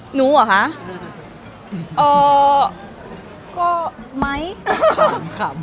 หนูเข้ากันไม่ดีสำคัญแม้ว่ะค่ะ